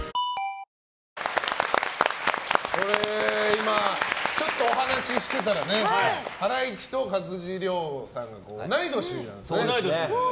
今、ちょっとお話してたらハライチと勝地涼さんが同い年なんですね。